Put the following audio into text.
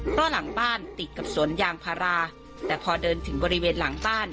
เพราะหลังบ้านติดกับสวนยางพาราแต่พอเดินถึงบริเวณหลังบ้าน